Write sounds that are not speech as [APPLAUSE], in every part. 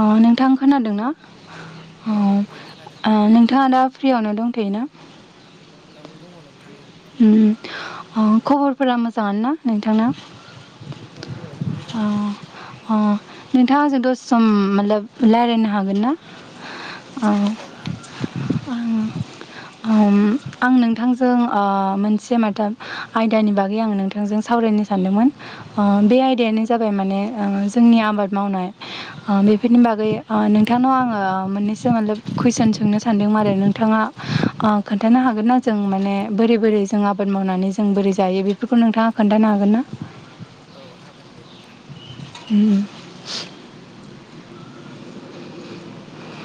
अ नोंथां खोनादोंनाा औ नोंथां खोनादों अ नोंथांङा दा फ्रियावनो दंथयोना औ दंङ नोंथां। खबरफोरा मोजां ना नोंथां औ नोंथां मोजांङानो अ नोंथांङाजों दस सम माबब राय्लायनो हागोन ना अ औ हागोन नोंथां। ओम आं नोंथांजों मोनसे माथा आयदानि बागै आंङो नोंथांजों सावरायनो सानदोंमोन बे आयदायानो जाबाय माने जोंनि आबाद मावनाय औ बेफोरनि बागै नोंथांनाव आंङो मोननैसो माने कुइसन सोंनो सानदों आरो नोंथांङा खोन्थानो हागोनना जों माने बोरै बोरै जों आबाद मावनानै जों बोरै जायो बेफोरखौ नोंथांङा खोन्थानो हागोन ना? औ हागोन दे नोंथां। [INAUDIBLE]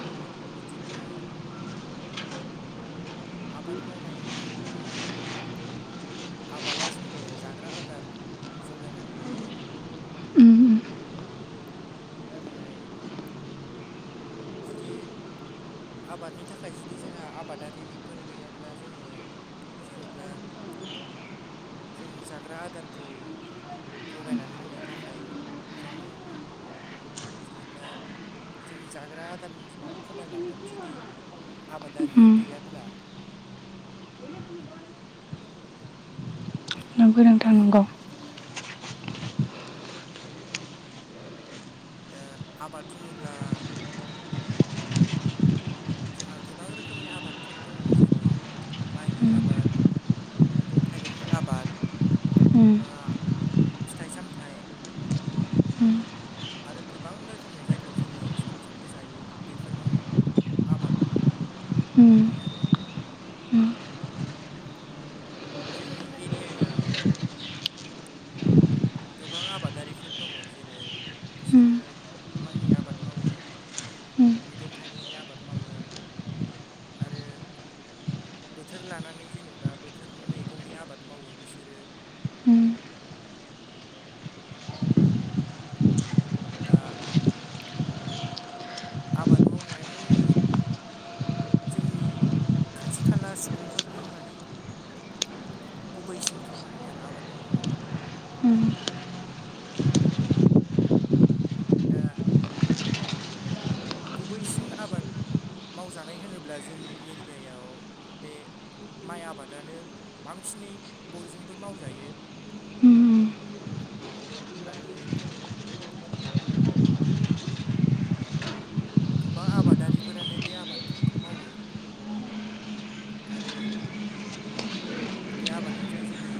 औ बिदिब्ला आबाद मावनाय बुंङोब्ला आबादा जोंनो जाग्रा आदार जगायनानै होयो। उम [UNINTELLIGIBLE] नाथाय जुदि आबादनि थाखाय जुदि जोंहा आबादारिफोर गैयाब्ला जोङो जेनेा जोंनि जाग्रा आदारखौ जगायनानै होनो थाखाय जोङो जेनेब्ला जोंनि जाग्रा आदारनि बिमाङा खमायलांगोन। जुदि उम आबादारिफोर गैयाबो्ला नों गोरोंथारनांगौ। दा आबाद बुङोब्ला जोंहा गोबां रोखोमनि आबादफोर दङ जेरै माइनि आबाद मैगं थाइगंनि आबाद बा फिथाइ सामथाइ आरो गोबां रोखोमनि जायखौ जोङो सानफ्रामबो जायो बेफोरनि आबाद उम मावनाय आरो। उम जोंनि एरियायाव गोबां आबादारिफोर दङ जेरै उम बिसोरो माइनि आबाद मावो। उम मैगं थाइगंनि आबाद मावो आरो बोथोर लानानै जेनेबा बोथोरनि मैगंनि आबाद मावो बिसोरो। उम दा आबाद मावनायानो जोंनि खाथि खाला सुबुंफोरनि मानि गुबैसिन खामानि आरो आबाद मावनायानो। उम दा गुबैसिन आबाद मावजानाय होनोब्ला जोंनि एरियायाव बे माइ आबादानो बांसिनै बयजोंबो मावजायो। उम आरो गोबां आबादारिफोरानो बे आबादखौ मावो। आरो बे आबादनिफ्राय जोङो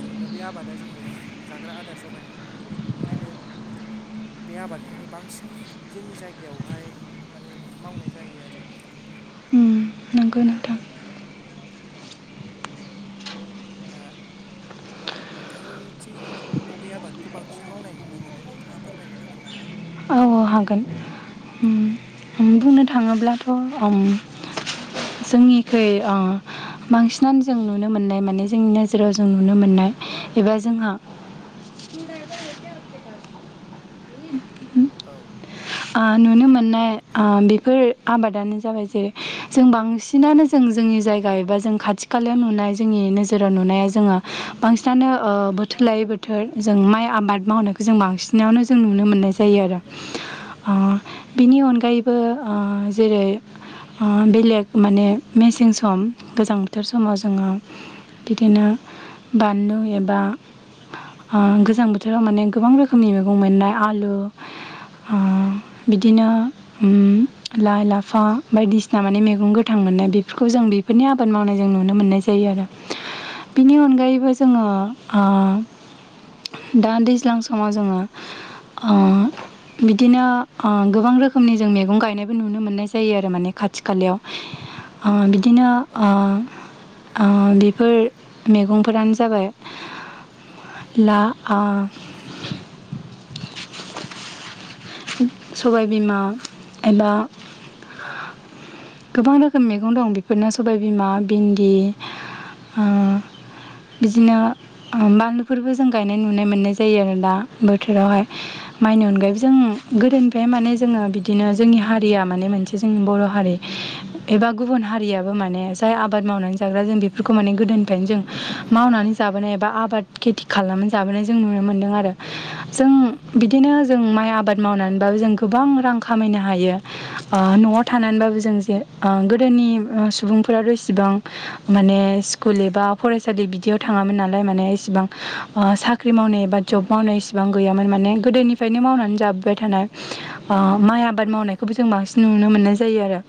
जेनेबा बे आबादा जोंनो जाग्रा आदार जगायनानै होयो बेनिखायनो बे आबादखौनो बांसिन जोंनि जायगायावहाय माने मावनाय जायो आरो। नंगोन नोंथां दा नोंथांमोननिथिं बबे आबादखौ बांसिन मावनाय नुनो मोनो नोंथाङा फोरमायनो हागोन नामा? अ हागोन उम उम बुंनो थाङोब्लाथ'उम जोंनिखै अ बांसिनानो जों नुनो मोननाय माने जोंनि नोजोराव जों नुनो मोननाय एबा जोंहा [UNINTELLIGIBLE] औ ओ नुनो मोननाय ओ बेफोर आबादानो जाबाय जेरै जों बांसिन बिदिनानो जों जोंनि जायगा एबा जों खाथि खालायाव नुनाय जोंनि नोजोराव नुनाया जोङो बांसिनानो ओ बोथोर लायै बोथोर जों माइ आबाद मावनायखौ जों बांसिन नायावनो जों नुनो मोननाय जायो आरो। ओ बिनि अनगायैबो ओ जेरै ओ बेलेग माने मेसें सम गोजां थोर समाव जोङो बिदिनो बानलु एबा ओ गोजां बोथोराव माने गोबां रोखोमनि मैगं मोननाय आलु। बिदिनो उम लाइ लाफा बायदिसिना माने मैगं गोथां मोननाय बेफोरखौ जों बे फोरनि आबाद मावनाय जों नुनो मोननाय जायो आरो। बिनि अनगायैबो जोङो ओ दा दैज्लां समाव जोङो ओ बिदिनो अ गोबां रोखोमनि जों मैगं गायनायबो नुनो मोननाय जायो आरो माने खाथि खालायाव अ बि दिनो ओ ओ बेफोर मैगंफोरानो जाबाय ला आ सबाय बिमा एबा औ गोबां रोखोम मैगं दं बेफोरनो सबायबिमा भिनदि। ओ बिदिनो बानलुफोरबो जों गायनाय नुनाय मोननाय जायो आरो दा बोथोरावहाय। माइनि अनगायैबो औ जों गोदोनिफ्राय माने जोङो बिदिनो जोंनि हारिया माने मोनसे जोंनि बर' हारि एबा गुबुन हारियाबो माने जाय आबाद मावनानै जाग्रा जों बेफोरखौ माने गोदोनिफ्रायनो जों मावनानै जाबोनाय बा आबाद खेति खालामनानै जाबोनाय जों नुनो मोनदों आरो जों बिदिनो जों माय आबाद औ मावनानैबाबो जों गोबां रां खामायनो हायो। ओ न'आव थानानैबाबो जों जे ओ गोदोनि ओ सुबुंफोरा रोसिबां माने स्कुल एबा फरायसालि बिदियाव थाङामोन नालाय माने इसेबां साख ख्रि मावनाय एबा ज'ब मावनाय इसिबां गैयामोन माने गोदोनिफ्रायनो मावनानै जाब बाय थानाय ओ औ माइ नोंथां आबाद मावनाय खोबो जों बांसिन नुनो मोननाय जायो आरो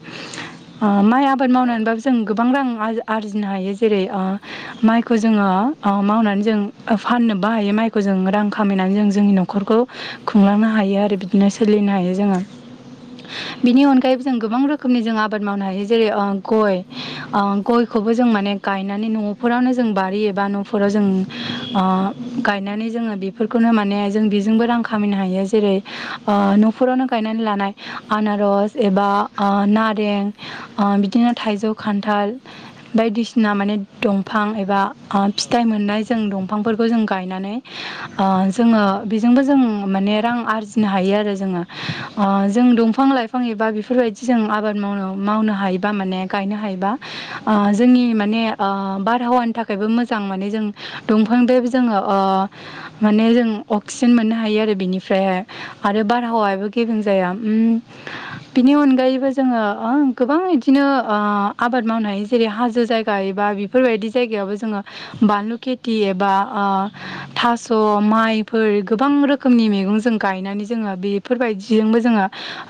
ओ माइ आबाद औ मावनानैबो जों गोबां रां आर आरजिनो हायो जेरै ओ माइखौ जोङो ओ मावनानै जों ओ फाननोबो हायो माइखौ जों रां खामायनानै जों जोंनि न'खरखो खुंलांनो हायो आरो बिदिनो सोलिनो हायो जोङो। बेनि अनगायैबो जों गोबां रोखोमनि जों आबाद मावनो हायो जेरै ओ गय। गयखौबो जों माने गायनानै न'फोरावनो जों बारि एबा न'फोराव जों अ गायनानै जोङो बेफोरखौनो मान जों बेजोंबो रां खामायनो हायो जेरै ओ न'खरावनो गायनानै लानाय आनारस एबा ओ नारें ओ बिदिनो थाइजौ खान्थाल बायदिसिना माने दंफां एबा अ औ फिथाइ मोननाय जों दं फांफोरखौ जों गायनानै ओ जोङो बेजोंबो जों माने रां आरजि नो हायो आरो जोङो औ अ नंगौ जों दफां लाइफां एबा बेफोरबायदि जों आबाद मावन' मावनो हायो। बा माने गायनो हायोबा ओ जोंनि माने ओ बारहावानि थाखायबो मोजां माने जों दंफांदो बो जोङो अ माने जों अक्सिजेन मोननो हायो आरो बिनिफ्राय हाय। आरो औ बारहावायाबो गेबें जाया ओम बिनि अनगायैबो जोङो ओं गोबां बिदिनो ओ आबाद मावनो हायो जेरै हाजो जायगा एबा बिब बेफोरबायदि जायगायावबो जोङो बानलु खेथि एबा ओ थास' माइफोर गोबां रोखोमनि मैगं जों गायनानै जोङो बेफोरबायदिजोंबो जोङो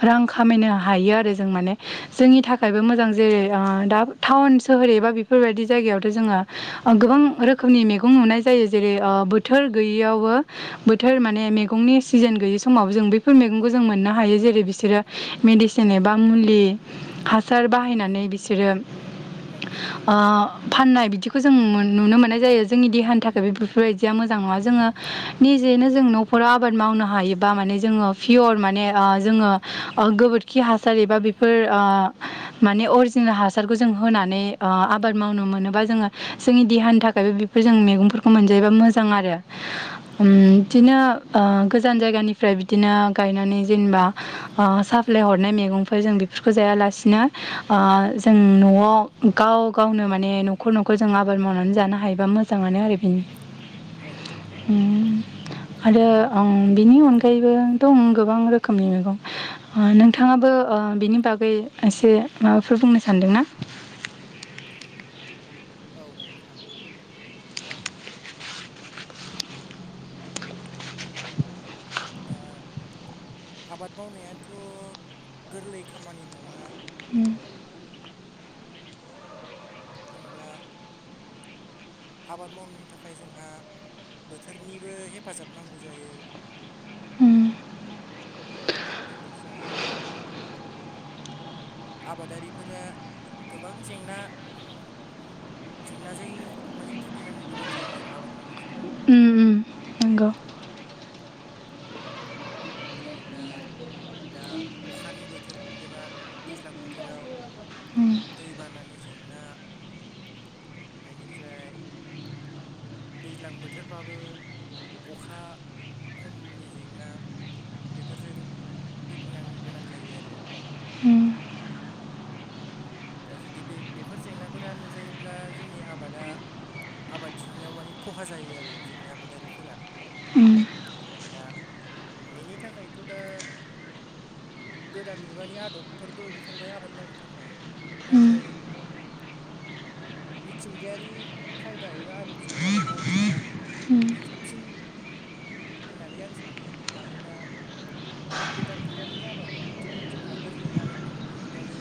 रां खामायनो हायो आरो जों माने। जोंनि थाखायबो मोजां जेरै ओ दा टाउन सोहोर एबा बेफोरबायदि जायगायावथ' जोङो ओ औ गोबां रोखोमनि मैगं नुनाय जायो जेरै ओ बोथोर गोयियावबो बोथोर माने मेगंनि सिजोन गैयि समाव जों बैफोर मैगंखौ जों मोननो हायो जेरै बिसोरो मेडिसिन एबा मुलि हासार बाहायनानै बिसोरो नंगौ अ औ फाननाय बिदिखौ जों मोन नुनो मोननाय जायो जोंनि देहानि थाखायबो बेफोरबायदिया मोजां नङा जोङो निजिनो जों न'फोराव आबाद मावनो हा हायोबा माने जोङो पियर माने ओ जोङो ओ गोबोरखि हासार एबा बेफोर ओ माने अरजिनेल हासारखौ जों होनानै ओ आबाद मावनो मोनोबा जोङो जोंनि देहानि थाखायबो बेफोर जों मैगंफोरखौ मोनजायोबा मोजां आरो। होम औ बिदिनो ओ गोजान जायगानिफ्राय बिदिनो गायनानै जेनेबा ओ साप्लाय हरनाय मैगंफोर जों बेफोरखौ जायालासिनो ओ जों न'आव गाव गावनो माने न'खर - न'खर जों आबाद मावनानै जानो हायोबा मोजाङानो आरो बेन औ नोंथां नंगौ। आरो अं बिनि अनगायैबो दं गोबां रोखोमनि मैगं। अ नोंथाङाबो ओ बिनि बागै एसे माबाफोर बुंनो सानदोंना। औ नोंथां। दा आबाद मावनायाथ' गोरलै खामानि नङा। होम। जेनेब्ला आबाद मावनो थाखाय जोंहा बोथोरनिबो हेफाजाब नांगौ जायो। होम। बेनिफ्राय आबादारिफोरा गोबां जेंना जेंनाजों माने भुगिनांनो गोनां जायो आरो आबाद मावनाय समाव। उम नंगौ। जेनेब्ला दा अखानि बोथोर एबा दैज्लां बोथोराव उम दैबानानि जेंना बेनिफ्राय दैज्लां बोथोरबाबो अखा खमनि जेंना बेफोरजों भुगिनांनो गोनां जायो आरो। उम दा जुदि बे बेफोर जेंनाफोरा नुजायोब्ला जोंनि आबादा आबाद दिहुनन्नायाव मानि खहा जायो आरो जोंनि आबादारिफोरा। उम दा बेनि थाखायथ' दा गोदान मुगानि आदबफोरबो ओंखारबाय आबाद मावनो थाखाय। उम नाथाय मिथिंगायारि खायदा एबा आदबजों आबाद मावनाया साबसिन होननानै आं सानो मानोना गोदान मुगानि आबादजों जोंहा गोरलैयै आबाद मावनो हायोबाबो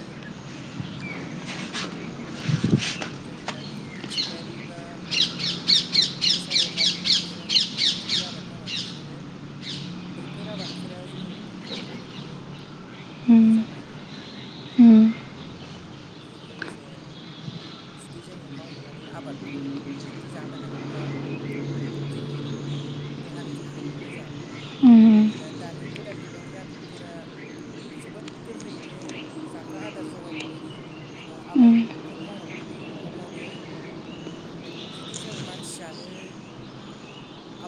जोङो मानि मिथिंगायारि बा नेचारेल आदबफोरजों जुदि आबाद मावनानै दिहुनो बैफोर आबादफोरा जोंनि देहानि थाखायनो उम मोजां आरो उम बेजों लोगोसे जुदि जोङो मावनानै आबाद मावनानै जुदि जानो हायोब्ला जोंनि देहानि थाखायनो मोजां। उम मानोना दानि गोदान मुगानि आदबफोरा जोबोद गोरलैयैनो जाग्रा आदार जगाय नानै होयो एबा उम आबादखौ मावनानै होयो अब्लाबो जुदि जों मानसियानो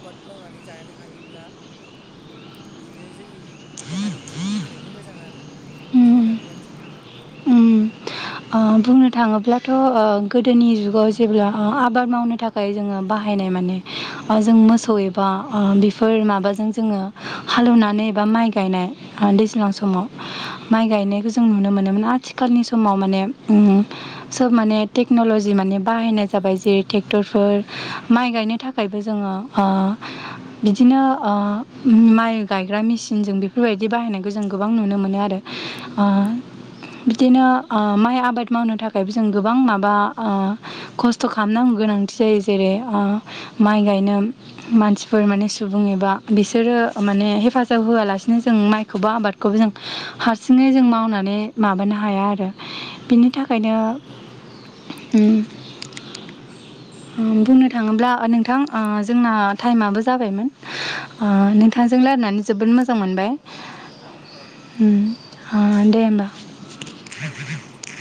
आबाद मावनानै जानो हायोब्ला बे बे जोंनि देहानि खोख-थाखायनो मोजां आरो। बिदि उम होननानै आं सानो। उम बुंनो थाङोब्लाथ' गोदोनि जुगाव जेब्ला ओ आबाद मावनो था खाय जोङो बाहायनाय माने जों मोसौ एबा बेफोर माबाजों जोङो हालौनानै एबा माइ गायनाय ओ दै ज्लां औ समाव माइ गायनायखौ जों नुनो मोनोमोन आथि खालनि समाव माने सोब माने टेक्नलजि माने बाहायनाय जाबाय जेरै ट्रेक्टरफोर औ माइ गायनो थाखायबो जोङो ओ बिदिनो माइ गायग्रा मेसिनजों बेफोरबायदि बाहायनायखौ जों गोबां नुनो मोनो आरो। ओ बिदिनो ओ माइ आबाद मावनो थाखायबो जों गोबां माबा ओ खस्थ' खालामनांगौ गोनांथि जायो जेरै ओ माइ गायनो। मानसिफोर माने सुबुं एबा बिसोरो माने हेफाजाब होआलासिनो जों माइखौबा आबाद खौबो जों हारसिङै जों मावनानै माबानो हा हाया आरो बिनि औ थाखायनो नंगौ उम बुंनो थाङोब्ला नोंथां ओ जोंना टाइमाबो जाबायमोन ओ नोंथांजों रायलायनानै जोबोद मोजां मोनबाय। औ नोंथां उम आ दे होमबा। औ दे बिदिब्ला।